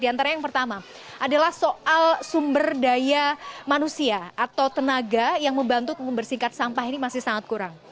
di antara yang pertama adalah soal sumber daya manusia atau tenaga yang membantu untuk membersihkan sampah ini masih sangat kurang